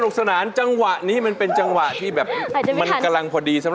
แคลงแหงนาย